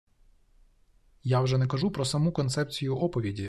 Я вже не кажу про саму концепцію оповіді